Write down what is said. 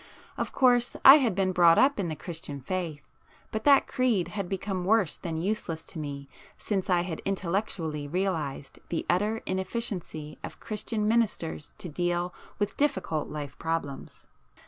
Of course I had been brought up in the Christian faith; but that creed had become worse than useless to me since I had intellectually realized the utter inefficiency of Christian ministers to deal with difficult life problems.